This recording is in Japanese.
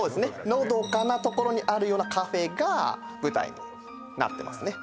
のどかな所にあるようなカフェが舞台になってますね